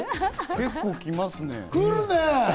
結構きますね。